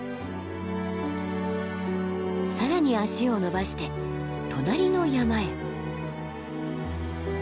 更に足をのばして隣の山へ。